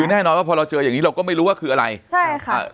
คือแน่นอนว่าพอเราเจออย่างนี้เราก็ไม่รู้ว่าคืออะไรใช่ค่ะ